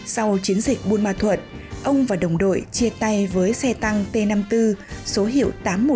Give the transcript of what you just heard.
sau chiến dịch buôn ma thuận ông và đồng đội chia tay với xe tăng t năm mươi bốn số hiệu tám trăm một mươi